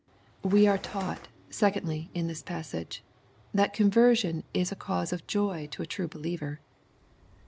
We are taught, secondly, in this passage, that conversion is a cause of joy to a true believer.